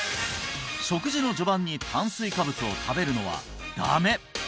食事の序盤に炭水化物を食べるのはダメ！